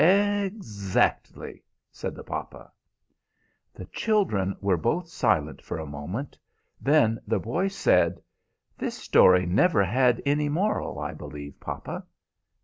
"Exactly," said the papa. The children were both silent for a moment. Then the boy said, "This story never had any moral, I believe, papa?"